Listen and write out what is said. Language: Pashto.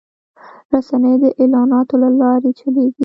رسنۍ د اعلاناتو له لارې چلېږي